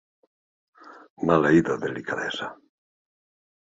Maleïda delicadesa.